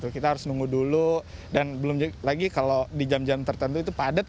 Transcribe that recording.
kita harus nunggu dulu dan belum lagi kalau di jam jam tertentu itu padat